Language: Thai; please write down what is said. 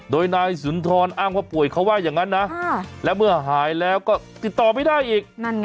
โดยนายสุนทรอ้างว่าป่วยเขาว่าอย่างนั้นนะและเมื่อหายแล้วก็ติดต่อไม่ได้อีก